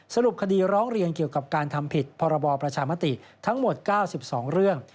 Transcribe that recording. สรุปคดีร้องเรียนเกี่ยวกับการทำผิดพรบประชามติทั้งหมด๙๒เรื่อง